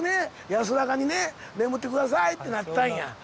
安らかにね眠って下さいってなったんや。